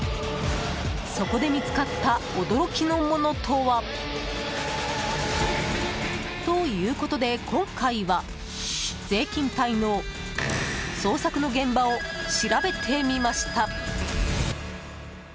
そこで見つかった驚きのものとは。ということで、今回は税金滞納、捜索の現場を調べてみました。